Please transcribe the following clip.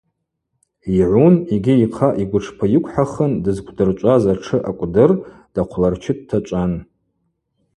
Йгӏун йгьи йхъа йгвытшпы йыквхӏахын дызквдырчӏваз атшы акӏвдыр дахъвларчы дтачӏван.